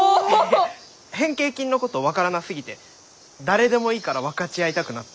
いや変形菌のこと分からなすぎて誰でもいいから分かち合いたくなった。